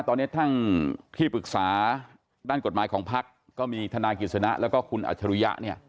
ตอนนี้ทั้งที่ปรึกษาด้านกฎหมายของภักดิ์ก็มีธนากิจนะแล้วก็คุณอัชรุยะ